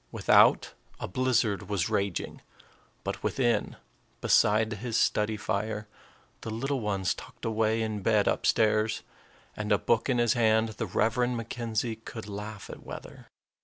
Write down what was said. Without, a blizzard was raging; but within, beside his study fire, the little ones tucked away in bed up stairs, and a book in his hand, the Reverend McKenzie could laugh at weather.